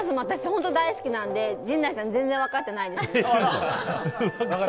本当に大好きなので陣内さん、全然分かってない。